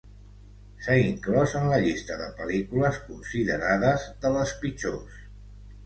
S'ha inclòs en la llista de pel·lícules considerades de les pitjors.